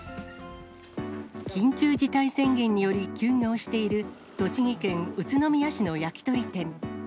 緊急事態宣言により、休業している栃木県宇都宮市の焼き鳥店。